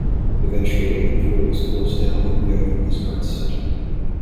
Eventually, the pool was closed down and reopened as an arts center.